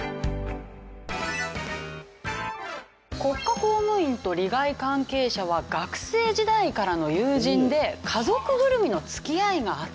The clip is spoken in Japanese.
国家公務員と利害関係者は学生時代からの友人で家族ぐるみの付き合いがあった。